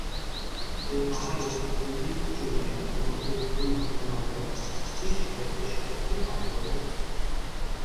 এ পাহাড়ের বিভিন্ন চূড়ায় গণপূর্ত মন্ত্রণালয়ের অফিস ও বেশ কয়েকটি বাংলো রয়েছে।